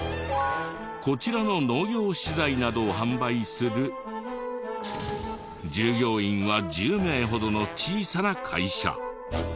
こちらの農業資材などを販売する従業員は１０名ほどの小さな会社。